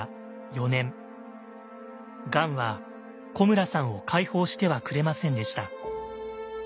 がんは古村さんを解放してはくれませんでした。